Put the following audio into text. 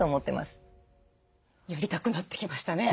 やりたくなってきましたね。